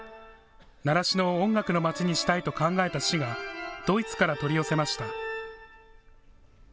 習志野を音楽のまちにしたいと考えた市がドイツから取り寄せました。